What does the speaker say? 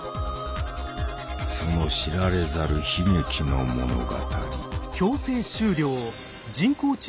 その知られざる悲劇の物語。